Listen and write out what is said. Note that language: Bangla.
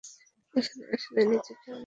এখানে আসলে নিজেকে অনন্য মনে হয়।